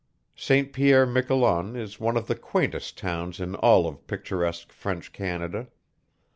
St. Pierre, Miquelon, is one of the quaintest towns in all of picturesque French Canada.